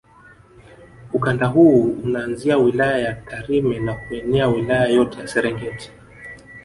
Ukanda huu unaanzia wilaya ya Tarime na kuenea Wilaya yote ya Serengeti